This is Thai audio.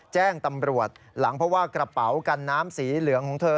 แจ้งตำรวจหลังเพราะว่ากระเป๋ากันน้ำสีเหลืองของเธอ